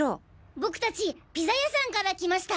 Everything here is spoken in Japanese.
僕たちピザ屋さんから来ました。